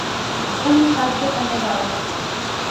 اُنی ساجدے کنے بایا